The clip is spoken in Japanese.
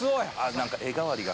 何か画変わりが。